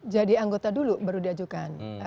jadi anggota dulu baru diajukan